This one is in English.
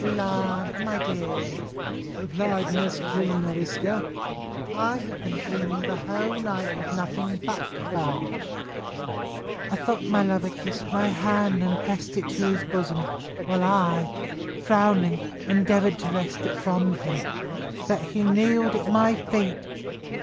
"La! my dear," replied Miss Killnariska, "I have been dreaming the whole night of nothing but fudge; I thought my lover kissed my hand, and pressed it to his bosom, while I, frowning, endeavoured to wrest it from him: that he kneeled at my feet.